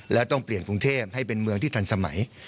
และต้องเปลี่ยนกรุงเทพให้เป็นเมืองที่ทันสมัย